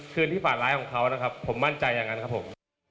คืนที่ป่าร้ายของเขานะครับผมมั่นใจอย่างนั้นครับผม